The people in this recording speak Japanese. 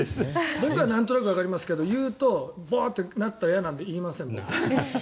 僕はなんとなくわかりますけど言うとボワーッとなったら嫌なので言いませんけど。